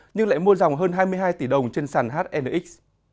nhưng lại mua dòng hơn hai mươi hai tỷ đồng trên sàn hnx